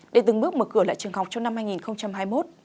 để từng bước mở cửa lại trường học trong năm hai nghìn hai mươi một